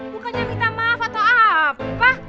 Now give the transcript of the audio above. bukannya minta maaf atau apa